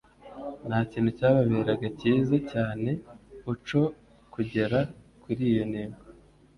Nta kintu cyababeraga cyiza cyane uco kugera kuri iyo ntego.